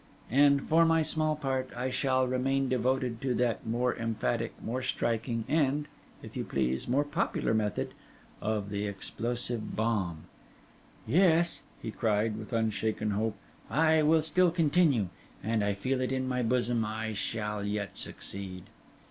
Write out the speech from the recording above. And, for my small part, I shall remain devoted to that more emphatic, more striking, and (if you please) more popular method, of the explosive bomb. Yes,' he cried, with unshaken hope, 'I will still continue, and, I feel it in my bosom, I shall yet succeed.